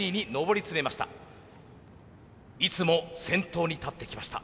いつも先頭に立ってきました。